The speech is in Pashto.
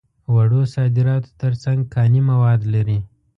وړو صادراتو تر څنګ کاني مواد لري.